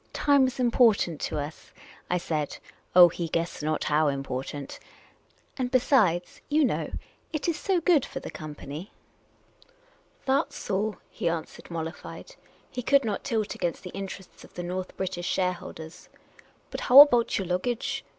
" Time was important to us," I said — oh, he guessed not how important ;" and besides, you know, it is so good for the company !" 310 Miss Caylcy's Adventures " That 's so," he answered, molHfied. He could not tilt against the interests of tlie North British shareholders, "But how about yer luggage